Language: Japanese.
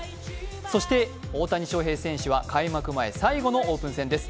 そして、大谷翔平選手は開幕前最後のオープン戦です。